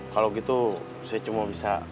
kalau gitu saya cuma bisa